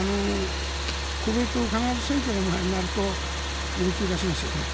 公明党必ず選挙の前になると要求を出しますよね。